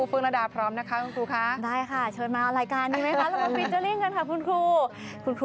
เฟืองรดาพร้อมนะครับ